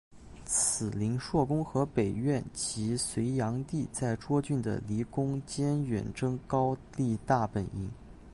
此临朔宫和北苑即隋炀帝在涿郡的离宫兼远征高丽大本营。